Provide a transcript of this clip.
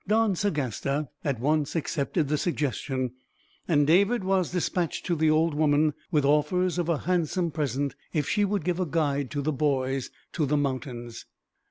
Don Sagasta at once accepted the suggestion, and David was dispatched to the old woman, with offers of a handsome present, if she would give a guide to the boys, to the mountains.